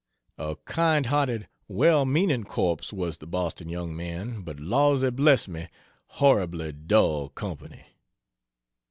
A kind hearted, well meaning corpse was the Boston young man, but lawsy bless me, horribly dull company.